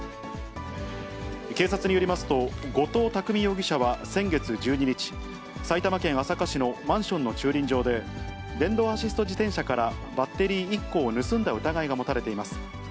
警察によりますと、後藤巧容疑者は先月１２日、埼玉県朝霞市のマンションの駐輪場で、電動アシスト自転車からバッテリー１個を盗んだ疑いが持たれています。